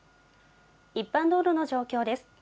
一般道路の状況です。